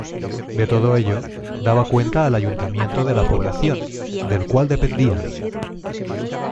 De todo ello, daba cuenta al ayuntamiento de la población, del cual dependía.